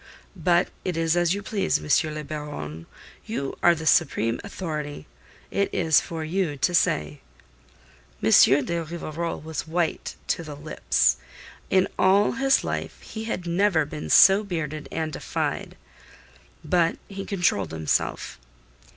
But it is as you please, M. le Baron. You are the supreme authority. It is for you to say." M. de Rivarol was white to the lips. In all his life he had never been so bearded and defied. But he controlled himself.